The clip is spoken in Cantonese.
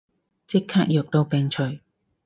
即刻藥到病除